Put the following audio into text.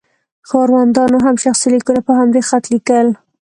ښاروندانو هم شخصي لیکونه په همدې خط لیکل.